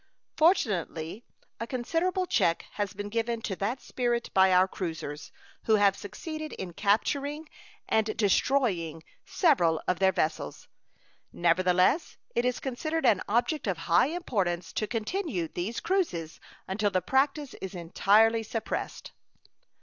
Fortunately, a considerable check has been given to that spirit by our cruisers, who have succeeded in capturing and destroying several of their vessels. Nevertheless, it is considered an object of high importance to continue these cruises until the practice is entirely suppressed.